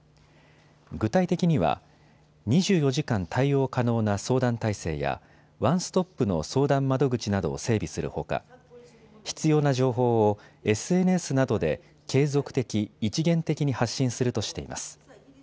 具体的には、２４時間対応可能な相談体制やワンストップの相談窓口などを整備するほか必要な情報をＳＮＳなどで継続的・一元的に発信するとしています。